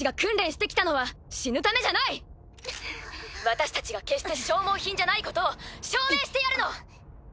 私たちが決して消耗品じゃないことを証明してやるの！